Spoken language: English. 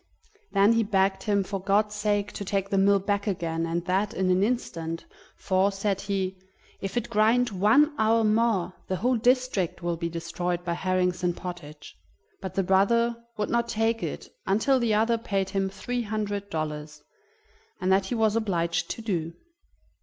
Then he begged him, for God's sake, to take the mill back again, and that in an instant, for, said he: "If it grind one hour more the whole district will be destroyed by herrings and pottage." But the brother would not take it until the other paid him three hundred dollars, and that he was obliged to do.